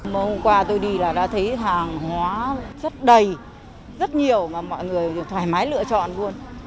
hôm qua tôi đi là đã thấy hàng hóa rất đầy rất nhiều mà mọi người thoải mái lựa chọn luôn